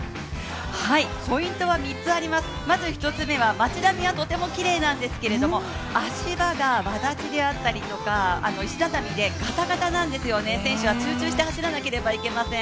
ポイントは３つあります、まず１つ目は、町並みはとてもきれいなんですけれども、足場がわだちであったりとか石畳でがたがたなんですよね、選手は集中して走らなければいけません。